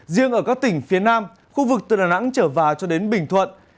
riêng ở các tỉnh phía nam khu vực từ đà nẵng trở vào cho đến bình thuận